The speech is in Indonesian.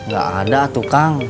gak ada tuh kang